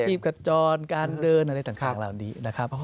วัดทีบกระจอนการเดินอะไรต่างข้างละอันนี้นะครับ